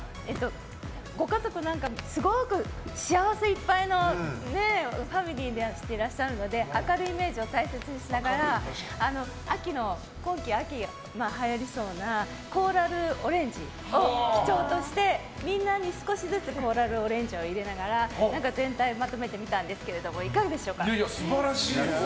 ご家族、すごく幸せいっぱいのファミリーでいらっしゃるので明るいイメージを大切にしながら今季、秋はやりそうなコーラルオレンジを基調としてみんなに少しずつコーラルオレンジを入れながら全体をまとめてみたんですけどいかがでしょうか？